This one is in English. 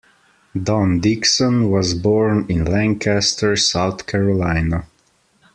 Don Dixon was born in Lancaster, South Carolina.